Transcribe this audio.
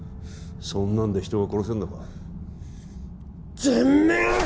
そんなんで人が殺せんのか？